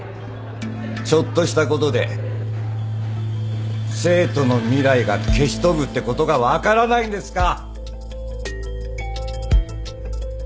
ちょっとしたことで生徒の未来が消し飛ぶってことが分からないんですか！？